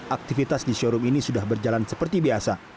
aktivitas di showroom ini sudah berjalan seperti biasa